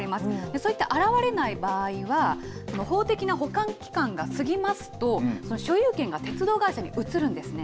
そういった現れない場合は、法的な保管期間が過ぎますと、その所有権が鉄道会社に移るんですね。